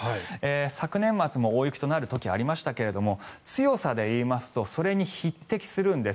昨年末も大雪となる時がありましたが強さで言いますとそれに匹敵するんです。